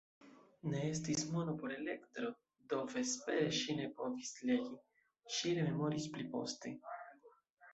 Ne estis mono por elektro, do vespere ŝi ne povis legi, ŝi rememoris pliposte.